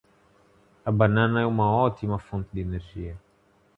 A banana é uma ótima fonte de energia.